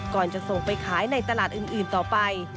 ก่อนจะส่งไปขายในตลาดอื่นต่อไป